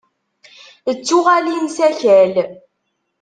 D tuɣalin s akal.